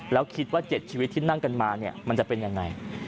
แล้วคิดว่าเจ็ดชีวิตที่นั่งกันมามันจะเป็นอย่างไร